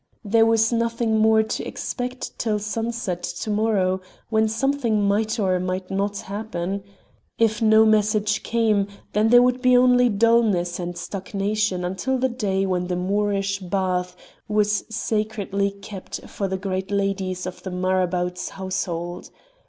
There was nothing more to expect till sunset to morrow, when something might or might not happen. If no message came, then there would be only dullness and stagnation until the day when the Moorish bath was sacredly kept for the great ladies of the marabout's household.